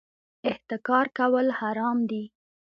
احتکار کول حرام دي